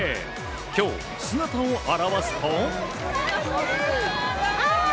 今日、姿を現すと。